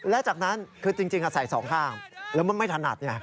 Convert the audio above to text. และจากนั้นคือจริงใส่สองข้างแล้วมันไม่ถนัดไง